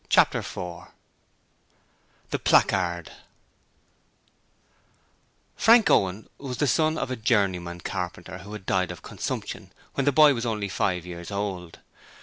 Chapter 4 The Placard Frank Owen was the son of a journeyman carpenter who had died of consumption when the boy was only five years old.